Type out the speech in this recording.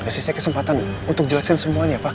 pasti saya kesempatan untuk jelasin semuanya pak